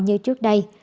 như trước đây